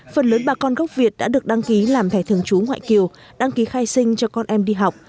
phần lớn bà con gốc việt đã được đăng ký làm thẻ thường trú ngoại kiều đăng ký khai sinh cho con em đi học